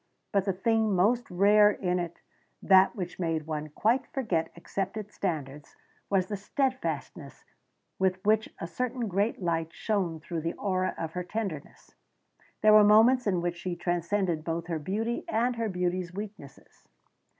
But the thing most rare in it, that which made one quite forget accepted standards, was the steadfastness with which a certain great light shone through the aura of her tenderness. There were moments in which she transcended both her beauty and her beauty's weaknesses.